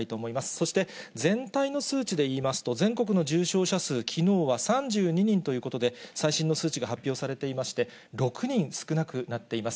そして全体の数値でいいますと、全国の重症者数、きのうは３２人ということで、最新の数値が発表されていまして、６人少なくなっています。